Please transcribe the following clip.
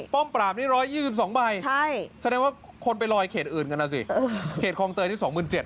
ปราบนี่๑๒๒ใบแสดงว่าคนไปลอยเขตอื่นกันนะสิเขตคลองเตยนี่๒๗๐๐